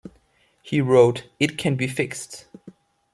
He wrote It Can Be Fixed!